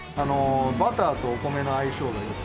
バターとお米の相性が良くて。